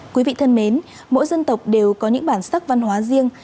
quý vị thân mến mỗi dân tộc đều có những bản sắc văn hóa riêng